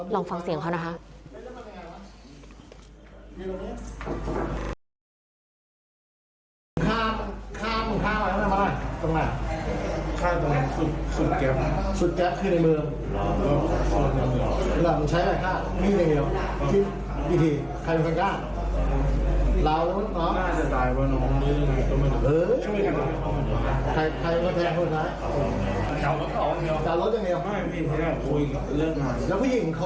ลองฟังเสียงเขานะคะ